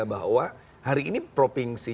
bahwa hari ini provinsi